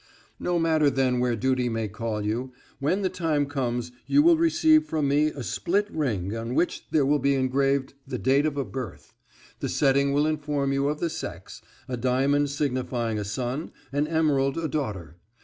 "No matter then where duty may call you, when the time comes you will receive from me a split ring on which there will be engraved the date of a birth; the setting will inform you of the sex, a diamond signifying a son, an emerald a daughter.